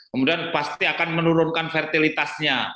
kemudian pasti akan menurunkan fertilitasnya